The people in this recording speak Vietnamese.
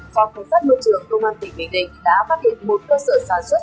phòng cảnh sát môi trường công an tỉnh bình định đã phát hiện một cơ sở sản xuất